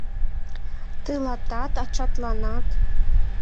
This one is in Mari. — Тылатат, ачатланат...